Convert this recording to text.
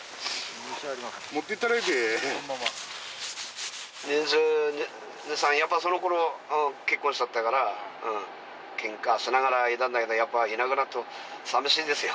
持ってったらいいべ２２２３やっぱその頃結婚したったからうんケンカしながらいたんだけどやっぱいなくなると寂しいですよ